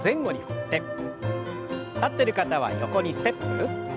立ってる方は横にステップ。